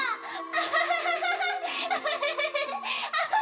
アハハハハハ！